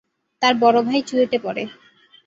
তার বড় ভাই চুয়েটে পড়ে।